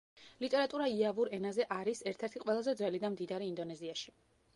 ლიტერატურა იავურ ენაზე არის ერთ-ერთი ყველაზე ძველი და მდიდარი ინდონეზიაში.